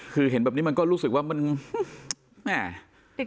คือเห็นแบบนี้มันก็รู้สึกว่ามันแม่